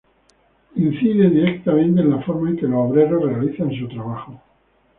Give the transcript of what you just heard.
Incide directamente en la forma en que los obreros realizan su trabajo.